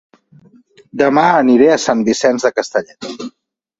Dema aniré a Sant Vicenç de Castellet